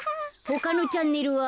ほかのチャンネルは？